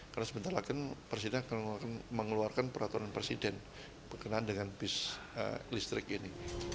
karena sebentar lagi presiden akan mengeluarkan peraturan presiden berkenaan dengan bis listrik ini